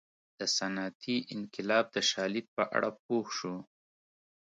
د صنعتي انقلاب د شالید په اړه پوه شو.